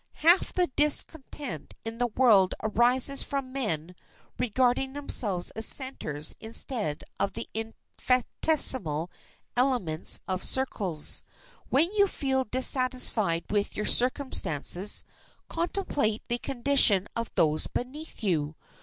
Half the discontent in the world arises from men regarding themselves as centers instead of the infinitesimal elements of circles. When you feel dissatisfied with your circumstances contemplate the condition of those beneath you.